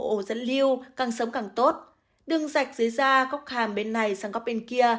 ổ dẫn lưu càng sống càng tốt đường sạch dưới da góc hàm bên này sang góc bên kia